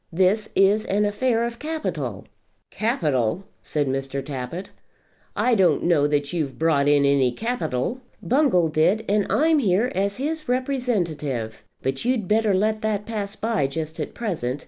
This is an affair of capital." "Capital!" said Mr. Tappitt. "I don't know that you've brought in any capital." "Bungall did, and I'm here as his representative. But you'd better let that pass by just at present.